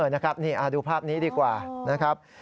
นะครับนี่ดูภาพนี้ดีกว่านะครับ